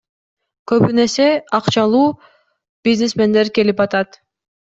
Көбүнесе акчалуу бизнесмендер келип атат.